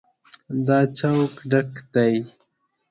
دا چوک ډک دی.